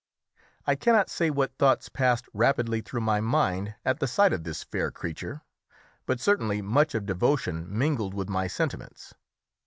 I cannot say what thoughts passed rapidly through my mind at the sight of this fair creature, but certainly much of devotion mingled with my sentiments.